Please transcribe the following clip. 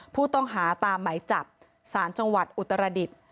ผู้ต้องหาตามไหมจับสารจังหวัดอุตรดิษฐ์